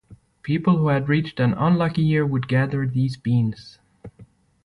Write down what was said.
People who had reached an unlucky year would gather these beans.